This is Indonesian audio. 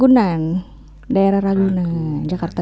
lu udah kira kira